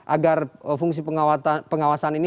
agar fungsi pengawasan ini